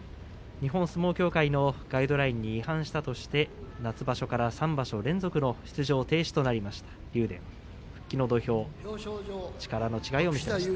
日本相撲協会のガイドラインに違反したとして夏場所から３場所連続の出場停止となりました竜電復帰の土俵力の違いを見せました。